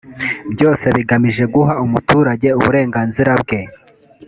byose bigamije guha umuturage uburenganzira bwe